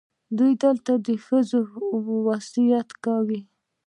دوی دلته د ښخولو وصیت کوي.